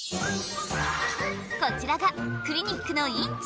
こちらがクリニックの院長。